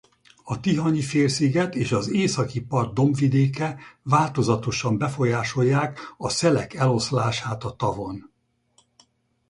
A Tihanyi-félsziget és az északi part dombvidéke változatosan befolyásolják a szelek eloszlását a tavon.